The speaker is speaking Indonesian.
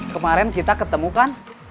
kemaren kita ketemu kan